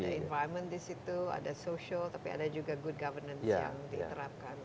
ada environment di situ ada social tapi ada juga good governance yang diterapkan